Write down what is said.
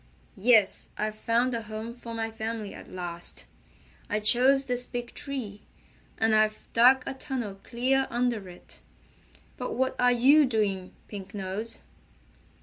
"Yes, I've found a home for my family at last. I chose this big tree, and I've dug a tunnel clear under it. But what are you doing, Pink Nose?"